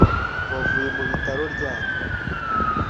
Wavuye mu bitaro ryari